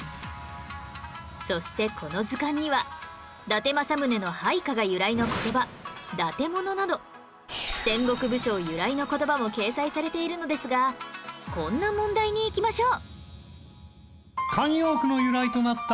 そしてこの図鑑には伊達政宗の配下が由来の言葉「伊達者」など戦国武将由来の言葉も掲載されているのですがこんな問題にいきましょう